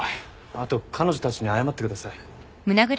あと彼女たちに謝ってください。